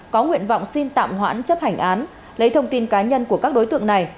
có nguyện vọng xin tạm hoãn chấp hành án lấy thông tin cá nhân của các đối tượng này